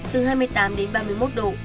từ hai mươi tám đến ba mươi một độ